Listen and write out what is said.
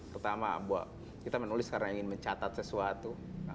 pertama kita menulis karena ingin mencatat sesuatu